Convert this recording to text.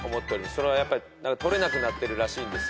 それはやっぱりとれなくなってるらしいんですよ。